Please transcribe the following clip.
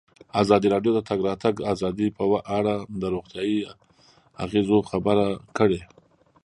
ازادي راډیو د د تګ راتګ ازادي په اړه د روغتیایي اغېزو خبره کړې.